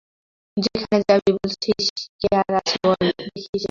সেখানে যাবি বলছিস, কি আর আছে বল দেখি সেখানে?